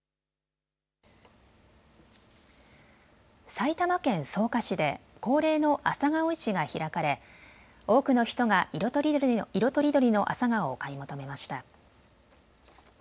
埼玉県草加市で恒例の朝顔市が開かれ多くの人が色とりどりのアサガオを買い求めました。